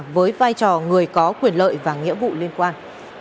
với vai trò người có quyền lợi và nghĩa vụ liên quan